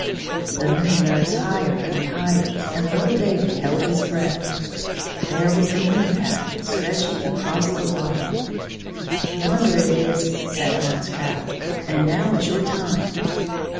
The moon rose higher and higher, and little David held his breath. There was the moon path 27 stretching across the water. " Yonder it is," said Hans Krout, " and now is your time."